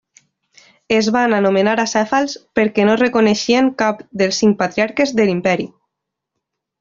Es van anomenar acèfals perquè no reconeixien cap dels cinc patriarques de l'Imperi.